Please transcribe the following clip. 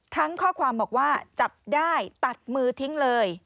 ข้อความบอกว่าจับได้ตัดมือทิ้งเลย